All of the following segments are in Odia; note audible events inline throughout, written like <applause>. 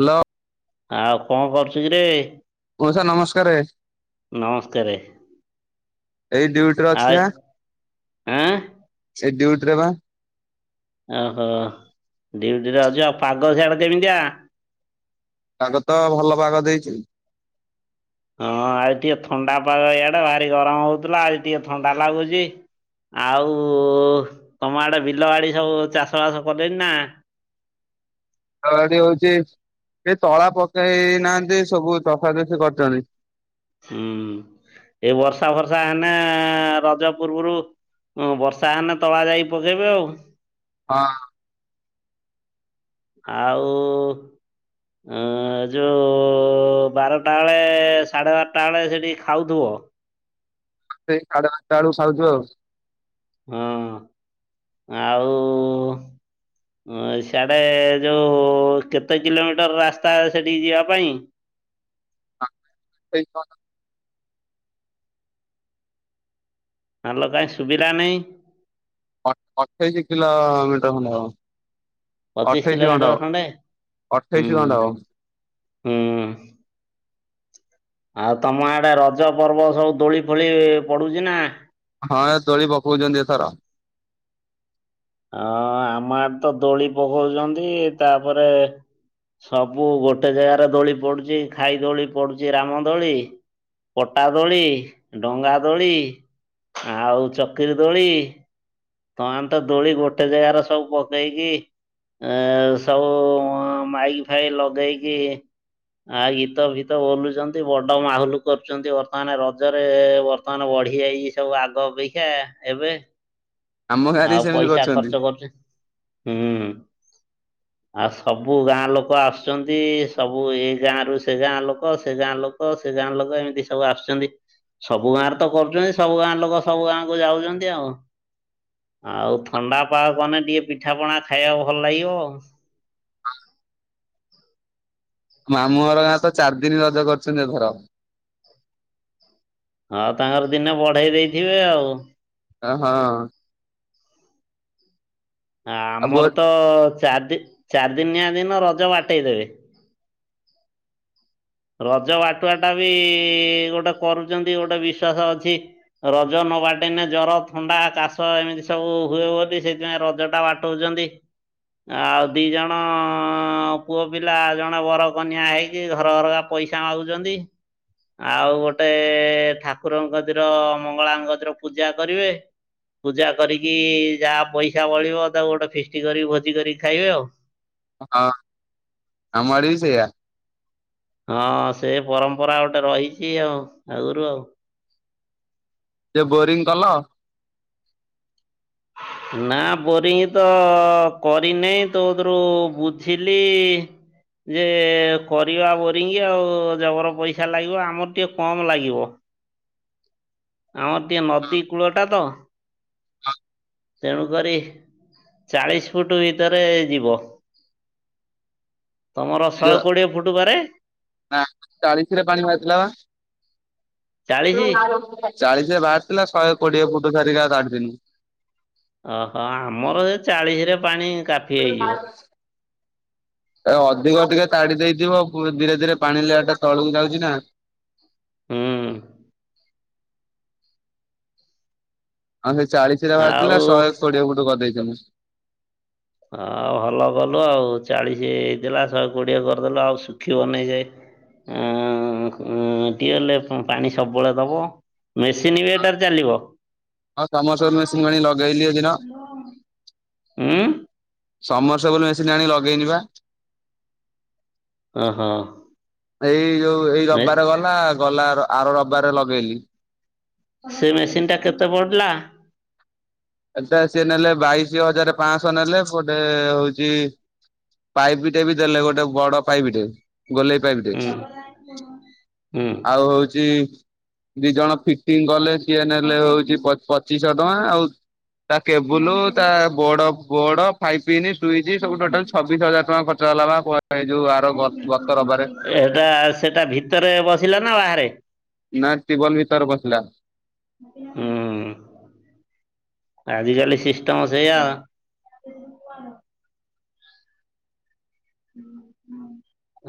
ହାଲୋ। ଆଉ କଣ କରୁଚୁ କିରେ? ମଉସା ନମସ୍କାରେ। ନମସ୍କାରେ ଏଇ ଡ୍ୟୁଟିରେ ଅଛି ଆଉ ଏ? ସେଇ ଡିଉଟି ରେ ବା। ଓହୋ ଡ୍ୟୁଟିରେ ଅଛ। ଆଉ ପାଗ ସିଆଡ଼େ କେମିତିଆ? ପାଗ ତ ଭଲ ପାଗ ଦେଇଚି। ହଁ ଆଜି ଟିକେ ଥଣ୍ଡା ପାଗ ଇଆଡେ ଭାରି ଗରମ ହଉଥିଲା ଆଜି ଟିକେ ଥଣ୍ଡା ଲାଗୁଚି। ଆଉ ତମ ଆଡ଼େ ବିଲ ବାଡ଼ି ସବୁ ଚାଷବାସ କଲେନି ନା? ଆଉ ଏଠି ହଉଚି ସେ ତଳା ପକେଇ ନାହାନ୍ତି ସବୁ ତଷା ତଷି କରିଚନ୍ତି। ହୁଁ ଏଇ ବର୍ଷା ଫର୍ଷା ହେନେ ରଜ ପୂର୍ବରୁ ହଁ ବର୍ଷା ହେଲେେ ତଳା ଯାଇକି ପକେଇବେ ଆଉ। ହଁ। ଆଉ ଅ ଯେଉଁ ବାରଟା ବେଳେ ସାଢ଼େ ବାରଟା ବେଳେ ସେଠି ଖାଉଥିବ। ସେଇ ସାଢ଼େ ବାରଟା ବେଳକୁ ସରୁଥିବ ଆଉ। ହଁ ଆଉ ହଁ ସିଆଡ଼େ ଯଉଁ କେତେ କିଲୋମିଟର ରାସ୍ତା ସେଠିକି ଯିବା ପାଇଁ? ହ <inaudible> ହାଲୋ କାହିଁ ଶୁଭିଲା ନାହିଁ? ଅ ଅଠେଇଶି କିଲୋ ମିଟର ଖଣ୍ଡେ ହବ। ପଚିଶ ଅଠେଇସି ଖଣ୍ଡେ କିଲୋମିଟର ହବ ହୁଁ ଅଠେଇସି ଖଣ୍ଡେ ହବ। ହୁଁ। ଆଉ ତମ ଆଡେ ରଜ ପର୍ବ ସବୁ ଦୋଳି ଫୋଳି ପଡୁଚି ନା? ହଁ ଏ ଦୋଳି ପକଉଚନ୍ତି ଏଥର। ହଁ ଆମ ଆଡେ ତ ଦୋଳି ପକଉଚନ୍ତି ତାପରେ ସବୁ ଗୋଟେ ଜାଗାରେ ଦୋଳି ପଡ଼ୁଚି। ଖାଇ ଦୋଳି ପଡ଼ୁଚି ରାମଦୋଳି। ପଟା ଦୋଳି, ଡଙ୍ଗା ଦୋଳି, ଆଉ ଚକିରିୀ ଦୋଳି। ତମେ ତ ଦୋଳି ଗୋଟେ ଜାଗାରେ ସବୁ ପକେଇକି ଏ ସବୁ ମାଇକ୍ ଫାଇକ ଲଗେଇକି ଆ ଗୀତ ଫୀତ ବୋଲୁଚନ୍ତି। ବଡ ମାହୁଲ କରୁଚନ୍ତି ବର୍ତ୍ତମାନ ରଜରେ। ବର୍ତମାନ ବଢି ଯାଇଚି ସବୁ ଆଗ ଅପେକ୍ଷା ଏବେ। ଆମ ଗାଁରେ ବି ଆଉ ସେମିତି ପଇସା କରିଛନ୍ତି। ଖର୍ଚ୍ଚ କରୁଚି ହୁଁ। ଆଉ ସବୁ ଗାଁ ଲୋକ ଆସୁଚନ୍ତି। ସବୁ ଏ ଗାଁ ରୁ ସେ ଗାଁ ଲୋକ ସେ ଗାଁ ଲୋକ କ ସେ ଗାଁ ଲୋକ ଏମିତି ସବୁ ଆସୁଚନ୍ତି। ସବୁ ଗାଁ ରେ ତ କରୁଛନ୍ତି ସବୁ ଗାଁରେ ଲୋକ ସବୁ ଗାଁ କ ଯାଉଛନ୍ତି ଆଉ। ଆଉ ଥଣ୍ଡା ମାନେ ଟିକେ ପିଠା ପଣା ଖାଇବାକୁ ଭଲ ଲାଗିବ ଆଉ। ଆ ମାମୁଁ ଘର ଗାଁ ରେ ତ ଚାରିଦିନି ରଜ କରୁଛନ୍ତି ଏ ଥର। ହଁ ତାଙ୍କର ଦିନେ ବଢେଇ ଦେଇଥିବେ ଆଉ। ଅ ହଁ। ଆଉ ବୋ ଆମର ତ ଚାରି ଦି ଚାରି ଦିନିଆ ଦିନ ରଜ ବାଟେଇ ଦେବେ। ରଜ ବାଟୁଆଟା ବି ଗୋଟେ କରୁଛନ୍ତି ଗୋଟେ ବିଶ୍ଵାସ ଅଛି। ରଜ ନ ବାଟନେ ଜର ଥଣ୍ଡା କାଶ ଏମିତି ସବୁ ହୁଏ ବୋଲି ସେଥିପାଇଁ ରଜ ଟା ବା ଉଚନ୍ତି। ଆଉ ଦି ଜଣ ପୁଅ ପିଲା ଜଣେ ବରକନ୍ୟା ହେଇକି ଘର ଘର କା ପଇସା ମାଗୁଛନ୍ତି। ଆଉ ଗୋଟେ ଠାକୁରଙ୍କ କତିର ମଙ୍ଗଳା ଙ୍କ କତିର ପୂଜା କରିବେ। ପୂଜା କରିକି ଯାହା ପଇସା ବଳିବ ତାକୁ ଗୋଟେ ଫିଷ୍ଟି କରିକି ଭୋଜି କରିକି ଖାଇବେ ଆଉ। ହଁ ଆମ ଆଡ଼େ ବି ସେୟା। ହଁ ସେ ପରମ୍ପରା ଗୋଟେ ରହିଛି ଆଉ ଆଗରୁ ଆଉ। ସେ ବୋରିଙ୍ଗି କଲ? ନା ବୋରିଙ୍ଗି ତ କରିନେଇଁ ତୋକତୁରୁ ବୁଝିଲି। ଯେ କରିବା ବୋରିଙ୍ଗ ଆଉ ଜବର ପଇସା ଲାଗିବ ଆମର ଟିକେ କମ ଲାଗିବ। ଆମର ଟିକେ ନଦୀ କୂଳଟା ତ। ତେଣୁ କରି ଚାଳିଶ ଫୁଟ ଭିତରେ ଯିବ। ତମର ଶହେ କୋଡିଏ ଫୁଟ ପାରେ। ନା ଚାଳିଶ ରେ ପାଣି ଚାଳିଶି? ବାହାରିଥିଲାପା। ଚାଳିଶ ରେ ବାହାରିଥିଲା ଶହେ କୋଡିଏ ଫୁଟ ପରିକା ତାଡିଥିଲି। ଓହୋ ଆମର ଏ ଚାଳିଶ ରେ ପାଣି କାଫି ହେଇଯିବ। ଏ ଅଧିକ ଟିକେ ତାଡି ଦେଇଥିବ ଧୀରେ ଧୀରେ ପାଣି ଲେୟାର ଟା ତଳକୁ ଯାଉଛି ନା। ହୁଁ। ଆମର ସେ ଚାଳିଶିରେ ବାହାରିଥିଲା ଆଉ ଶହେ କୋଡିଏ ଫୁଟ କରିଦେଇ ଥିନୁ। ହଉ ଭଲ କଲୁ ଆଉ ଚାଳିଶ ହେଇଥିଲା ଶହେ କୋଡିଏ କରିଦେଲୁ ଆଉ ଶୁଖିବ ବନିଜେ। ଉଁ ଉଁ ଟିଅଲ ରେ ପାଣି ସବୁବେଳେ ଦବ। ମେସିନ୍ ବି ଏଟାରେ ଚାଲିବ। ହଁ ସମର୍ଥନ ସେବୁଲ ମେସିନ୍ ଆଣିକି ଲଗେଇଲିି। ହାଲୋ ହୁଁ। ସମରସ ସେବୁଲ ମେସିନ୍ ଆଣି ଲଗେଇନି ବା। ଓ ହଁ। ଏଇ ଯୋଉ ଏଇ ରବିବାର ଗଲା ଗଲା ଆର ରବିବାରରେ ଲଗେଇଲି। ସେ ମେସିନ୍ ଟା କେତେ ପଡିଲା? ଏଟା ସିଏ ନେଲେ ବାଇଶି ହଜାର ପାଞ୍ଚଶହ ନେଲେ ପଟେ ହଉଛି। ପାଇପ୍ ଟେ ବି ଦେଲେ ଗୋଟେ ବଡ ପାଇପ୍ ଟେ। ଗୋଲେଇ ପାଇବି ଟେ ହୁଁ ହୁଁ। ଆଉ ହଉଛି ଦି ଜଣ ଫିଟିଙ୍ଗ କଲେ ସିଏ ନେଲେ ହଉଛି ପ ପଚିଶହ ଟଙ୍କା ଆଉ। ତା କେବୁଲ ତା ବୋର୍ଡ ବୋର୍ଡ ଫାଇପ ପିନ ସୁଇଜି ସବୁ ଟୋଟାଲ ଛବିଶ ହଜାର ଟା ଖର୍ଚ ହେଲା ବା ଏ ଯଉ ଆ ଏଟା ସେଟା ଭିତରେ ବସିଲା ନା ବାହାରେ? ନା ଟିବଲ ଭିତରେ ବସିଲା। ହୁଁ, ଆଜିିକାଲି ସିଷ୍ଟମ ସେଇଆ।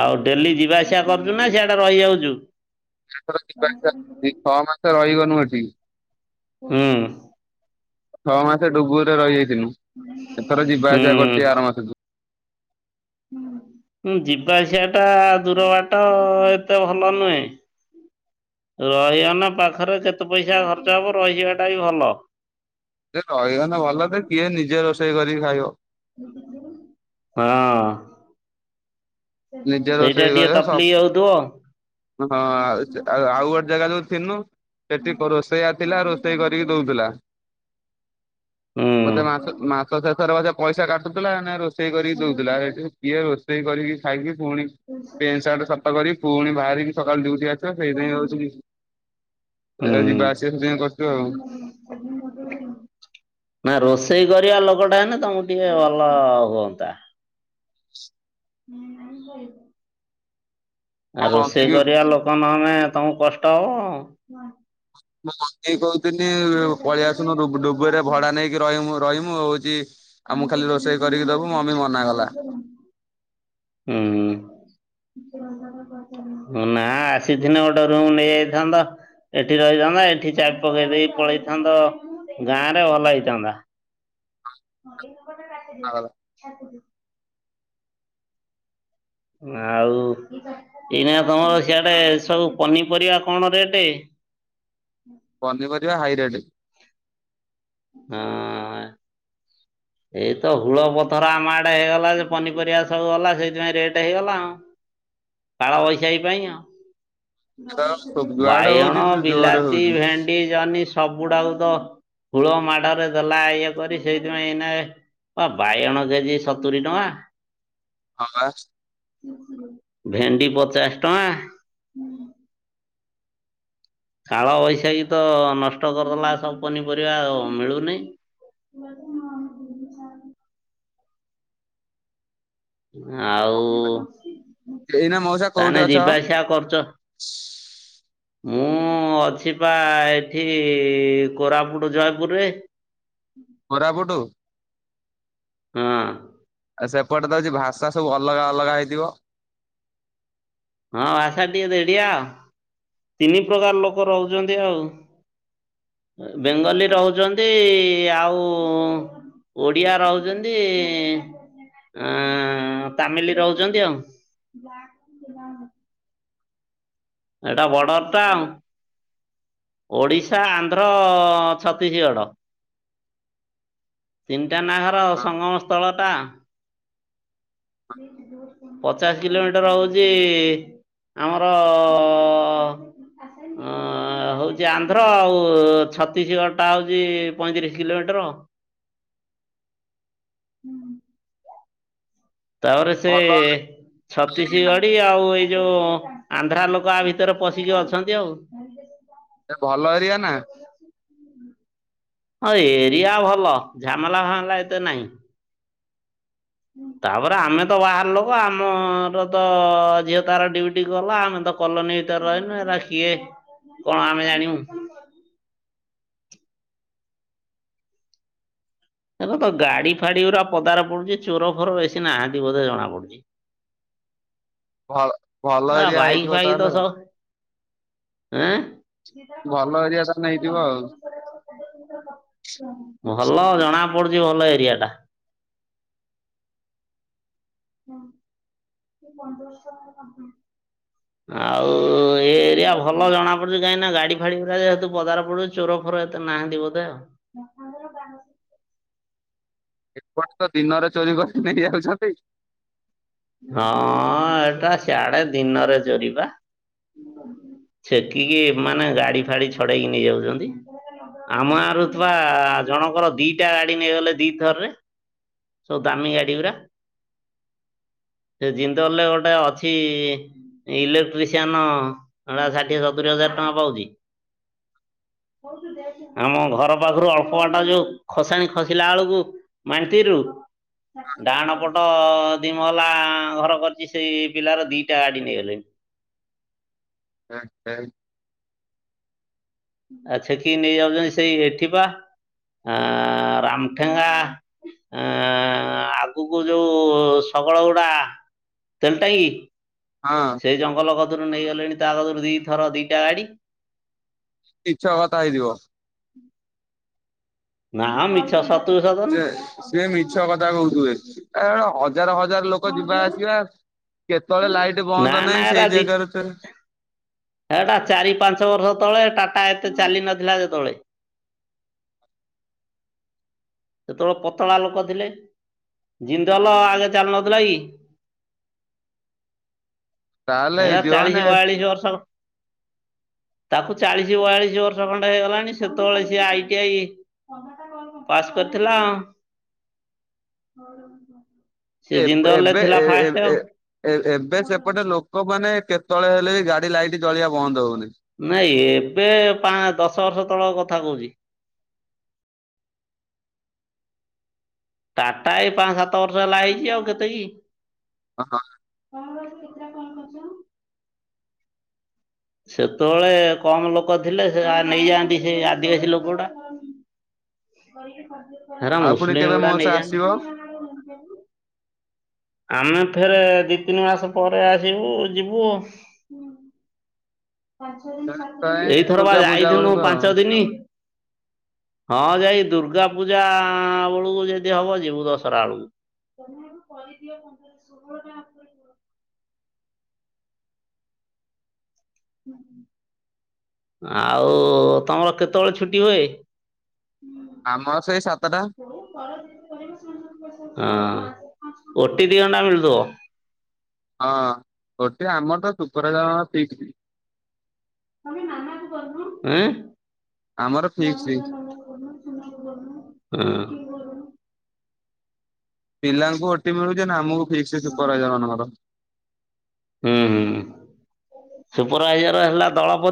ଆଉ ଡେଲି ଯିବା ଆସିବା କରୁଛୁ ନା ସେଆଡେ ରହିଯାଉଛୁ? <unintelligible> ଛଅ ମାସ ରହିଗନୁ ହେଠି। ହୁଁ। ଛଅ ମାସ ଡୁବୁରିରେ ରହିଯାଇଥିଲୁଁ। ଏଥର ଯିବା ଆସିବା ହୁଁ। କରୁଛି ଆର ମାସଠୁ ହୁଁ ଯିବା ଆସିବା ଟା ଦୂର ବାଟ ଏତେ ଭଲ ନୁହେଁ ରହିଯାଉନା ପାଖରେ କେତେ ପଇସା ଖର୍ଚ୍ଚ ହବ, ରହିଯିବାଟା ବି ଭଲ। ସେ ରହିଗଲେ ଭଲ ଯେ, କିଏ ନିଜେ ରୋଷେଇ କରିକି ଖାଇବ? ହଁ। ନିଜେ ସେଇଟା ରୋଷେଇ ଟିକେ କରିବ ସବ ତକଲିିକ୍ ହଉଥିବ। ହଁ ଆଉ ଆଉ ଗୋଟେ ଜାଗା ଯୋଉ ଥିଲୁଁ ସେଠି କ ରୋଷେଇଆ ଥିଲା ରୋଷେଇ କରିକି ଦଉଥିଲା। ହୁଁ। ବୋଧେ ମାସ ମାସ ଶେଷରେ ବୋଧେ ପଇସା କାଟୁଥିଲା ନା ରୋଷେଇ କରିକି ଦଉଥିଲା ସେଇଠି କିଏ ରୋଷେଇ କରିକି ଖାଇକି ପୁଣି ପେନ୍ଟ ସାର୍ଟ ସଫା କରିକି, ପୁଣି ବାହାରିକି ସକାଳୁ ଡ୍ୟୁଟି ଆସି ସେଇଥିପାଇଁ ହଉଛି ହୁଁ ଯିବା ଆସିବା ସେଥିପାଇଁ କରୁଛୁ ଆଉ ନା ରୋଷେଇ କରିବା ଲୋକଟା ହେଲେ ତମକୁ ଟିକେ ଭଲ ହୁଅନ୍ତା। <inaudible> ଆ ମୋ ମମି ରୋଷେଇ କି କରିବା ଲୋକ ନହେଲେ ତମକୁ କଷ୍ଟ ହବ। ମୁଁ ବଙ୍କେଇ କହୁଥିଲି ପଳେଇଆସୁନୁ ଡୁବୁ ଡୁବୁରୀରେ ଭଡା ନେଇକି କି ରହିମୁ ରହିମୁ ହଉଛି <unintelligible> ଆମକୁ ହୁଁ। ଖାଲି ନା ରୋଷେଇ କରିକି ଦବୁ ମମି ମନା ଆସିିଥିନେ କଲା ଗୋଟେ ରୁମ ନେଇ ଯାଇଥାନ୍ତ। ଏଠି ରହିଥାନ୍ତ ଏଠି ଚାବି ପକେଇ ଦେଇକି ପଳେଇଥାନ୍ତ ଗାଁରେ ଭଲ ହେଇଥାନ୍ତା। ହଁ ଏଇ ନମ୍ବରଟା ମନା କଲା <unintelligible> ଆଉ ଏଇନା ତମ ସିଆଡେ ସବୁ ପନିପରିବା କଣ ରେଟ୍? ପନିପରିବା ହାଇ ରେଟ୍। ହଁ। ଏଇତ ହୁଳ ପଥର ଆମ ଆଡେ ହେଇଗଲା ଯେ ପନିପରିବା ସବୁ ଗଲା, ସେଇଥିପାଇଁ ରେଟ ହେଇଗଲା ଆଉ। କାଳ ବୈଶାଖୀ ପାଇଁ ଆଉ। ଯୁଆଡେ ହଉଛି ବାଇଗଣ, ଜୋରରେ ବିଲାତି, ହଉଛି ଭେ ଇ ଜହ୍ନି ସବୁଡାକୁତ ହୁଳ ମାଡରେ ଦେଲା ଇଏ କରି ସେଇଥିପାଇଁ ଏଇନା ଅ ବାଇଗଣ କେଜି ସତୁରି ଟଙ୍କା। ହଁ ବା ଭେଣ୍ଡି ପଚାଶ ଟଙ୍କା। କାଳ ବୈଶାଖୀ ତ ନଷ୍ଟ କରିଦେଲା ସବୁ ପନିପରିବା ଆଉ ମିଳୁନି। <unintelligible> ଆଉ ଏଇନା ମଉସା କୋଉଠି ତାମାନେ ଅଛ? ଯିବା ଆସିବା କରୁଛ? ମୁଁ ମୁଁ ଅଛି ପା ଏଠି କୋରାପୁଟ, ଜୟପୁରରେ। କୋରାପୁଟୁ ହଁ। ଆଉ ସେପଟେ ତ ହଉଛି ଭାଷା ସବୁ ଅଲଗା ଅଲଗା ହେଇଥିବ? ହଁ ଆସା ଟିକେ ଦେଡ଼ିଆ ଆଉ। ତିନି ପ୍ରକାର ଲୋକ ରହୁଚନ୍ତି ଆଉ। ବେଙ୍ଗଲୀ ରହୁଚନ୍ତି ଆଉ ଓଡ଼ିଆ ରହୁଚନ୍ତି ଆ ତାମିଲ୍ ରହୁଚନ୍ତି ଆଉ। <unintelligible> ଏଟା ବୋର୍ଡରଟା ଆଉ। ଓଡ଼ିଶା, ଆନ୍ଧ୍ର, ଛତିଶଗଡ଼। ତିନିଟା ନାଖର ସଙ୍ଗମ ସ୍ଥଳଟା। ପଚାଶେ କିଲୋମିଟର୍ ହଉଚି ଆମର ଅ ହେଉଚି ଆନ୍ଧ୍ର ଆଉ ଛତିଶଗଡ଼ଟା ହେଉଚି ପଇଁତିରିଶ କିଲୋମିଟର୍। ତାପରେ ସେ ଭଲ ଛତିଶଗ ଟି ଆଉ ଏଇଯୋଉ ଆନ୍ଧ୍ରା ଲୋକ ଆଭିତରେ ପଶିକି ଅଛନ୍ତି ଆଉ। ସେ ଭଲ ହେରଆନା? ହଁ ଏରିଆ ଭଲ ଝାମେଲା ଫାମଲା ଏତେ ନାହିଁ। ତାପରେ ଆମେତ ବାହାର ଲୋକ ଆମରତ ଝିଅ ତାର ଡିଉଟି ଗଲା ଆମେତ କଲୋନୀ ଭିତରେ ରହିଁନି ଏରା କିଏ କଣ ଆମେ ଜାଣିବୁ। ଏରାତ ଗାଡ଼ି ଫାଡ଼ି ଗୁରା ପଦାରେ ପଡ଼ୁଚି ଚୋର ଫୋର ବେଶୀ ନାହାନ୍ତି ବୋଧେ ଜଣା ପଡ଼ୁଚି। ଭ ଭଲ ଏରା ଏରିଆ ବାଇକ୍ ହେଇଥିବ ଫାଇକତ ତାହେଲେ ଆଉ। ସବୁ ଏଁ ଭଲ ଏରିଆତ ତାହେନେ ହେଇଥିବ ଆଉ। ଭଲ ଜଣା ପଡ଼ୁଚି ଭଲ ଏରିଆଟା। ହଁ <unintelligible> <inaudible> ଆଉ ଏ ଏରିଆ ଭଲ ଜଣା ପଡ଼ୁଚି କାହିଁକିନା ଗାଡ଼ି ଫାଡ଼ି ଗୁଡ଼ା ଯେହେତୁ ପଦାରେ ପଡ଼ୁଚି ଚୋର ଫୋର ଏତେ ନାହାନ୍ତି ବୋଧେ ଆଉ। ଏପଟେତ ଦିନରେ ଚୋରି କରି ନେଇ ଯାଉଚନ୍ତି। ହଁ ଏଟା ସିଆଡ଼େ ଦିନରେ ଚୋରିପା। ଛେକିକି ମାନେ ଗାଡ଼ି ଫାଡ଼ି ଛଡ଼େଇକି ନେଇ ଯାଉଚନ୍ତି। ଆମ ଗାଁରୁ ଥିବା ଜଣଙ୍କର ଦିଟା ଗାଡ଼ି ନେଇଗଲେ ଦିଥରରେ। ସବୁ ଦାମୀ ଗାଡ଼ି ଉରା। ସେ ଜିନ୍ଦଲରେ ଗୋଟେ ଅଛି ଇଲେକ୍ଟ୍ରିସିଆନ ହେଟା ଷାଠିଏ ସତୁରି ହଜାର ଟଙ୍କା ପାଉଚି <inaudible> ହଉତୁ ଦେ ଆମ ଘର ପାଖରୁ ଅଳ୍ପ ବାଟ ଯୋଉ ଖସାଣି ଖସିଲା ବେଳକୁ ମାନ୍ତିରୀରୁ ଡାହାଣ ପଟ ଦି ମହଲା ଘର କରିଚି ସେଇ ପିଲାର ଦିଟା ଗାଡ଼ି ନେଇଗଲେଣି। <unintelligible> ଆଛେକିକି ନେଇ ଯାଉଚନ୍ତି ସେଇ ଏଠିବା ଆ ରାମଠେଙ୍ଗା ଆ ଆଗକୁ ଯୋଉ ଶଗଡ଼ ଗୁଡ଼ା ତେଲଟାଙ୍କି ହଁ। ସେ ଜଙ୍ଗଲ କତରୁ ନେଇଗଲେଣି ତାକତରୁ ଦିଥର ଦିଇଟା ଗାଡ଼ି। ମିଛ କଥା ହେଇଥିବ। ନାଁ ମିଛ ସ୍ ସେ ସିଏ ମିଛ କଥା କହୁଥିବେ, ଏ ହଜାର ହଜାର ଲୋକ ଯିବା ଆସିବା କେତେବେଳେ ଲାଇଟ ନା ବନ୍ଦ ନା ନାହିଁ ଏରା ସେଇ ଦି ଜାଗାରେ ଏଟା ଚାରି ପାଞ୍ଚ ବର୍ଷ ତଳେ ଟାଟା ଏତେ ଚାଲି ନଥିଲା ଯେତବେଳେ। ସେତେବେଳେ ପତଳା ଲୋକ ଥିଲେ ଜିନ୍ଦଲ ଆଗେ ଚାଲି ନଥିଲା କି। ତାହେଲେ ହେଲା ହେଇଥିବ ମାନେ ଚାଳିଶ ବୟାଳିଶ ବର୍ଷ ତାକୁ ଚାଳିଶ ବୟାଳିଶ ବର୍ଷ ଖଣ୍ଡେ ହେଇଗଲାଣି ସେତେବେଳେ ସିଏ ଆଇ ଟି ଆଇ ପାସ୍ କରିଥିଲା। ସେ ଏ- ଜିନ୍ଦଲରେ ଏବେ ଥିଲା ଏ ଏ ଫାଷ୍ଟ ଆଉ। ଏ ଏ ଏବେ ସେପଟେ ଲୋକମାନେ କେତେବେଳେ ହେଲେ ବି ଗାଡି ଲାଇଟ ଜଳିବା ବନ୍ଦ ହଉନି। ନାଇଁ ଏବେ ପାଆଁ ଦଶ ବର୍ଷ ତଳ କଥା କହୁଛି। ଟାଟା ଏଇ ପାଞ୍ଚ ସାତ ବର୍ଷ ହେଲା ହେଇଛି ଆଉ କେତେ କି। <unintelligible> <unintelligible> ସେତେବେଳେ କମ ଲୋକ ଥିଲେ ସେ ଆ ନେଇଯାଆନ୍ତି ସେ ଆଦିବାସୀ ଲୋକ ଟା। ହେରା ଆଉ ପୁଣି ମୁସଲିମ କେବେ ଗୁଡା ମୋ ସହ ଆସିବ ନେଇଯାନ୍ତି। ଆମେ ଫେର ଦି ତିନି ମାସ ପରେ ଆସିବୁ ଯିବୁ। କାଇଁ ଏଇଥର ବା ଦୁର୍ଗା ପୂଜା ଯାଇଥିଲୁ ବେଳକୁ ଆଉ। ପାଞ୍ଚ ଦିନି। ହଁ ଯାଇ ଦୁର୍ଗା ପୂଜା ଆଁ ବେଳକୁ ଯଦି ହବ ଯିବୁ ଦଶହରା ବେଳକୁ। ତମେ ଏବୁ କରିଦିଅ ପନ୍ଦର ଷୋହଳ ଟା ଆାତ। ହୁଁ। ଆଉ ତମର କେତେବେଳେ ଛୁଟି ହୁଏ? ଆମର ସେଇ ସାତଟା। ହଁ ଓଟି ଦେଇ ଅଣ୍ଡା ମିଳୁଥିବ। ହଁ ଗୋଟେ ଆମର ତ ସୁପର ଜଣ ଷ୍ଟ୍ରୀଟ। ଆମେ ନାନାକ କରନୁ ଆମର ଜାମ ଫିକ୍ସ ନାନା କରୁ। <unintelligible> ପିଲାଙ୍କୁ ଓଟି ମିଳୁଛି ନା ଆମକୁ ଫିକ୍ସ ସୁପରଭାଇଜର ମାନଙ୍କର ହୁଁ ହୁଁ ସୁପରଭାଇଜର ହେଲା ଦଳପତି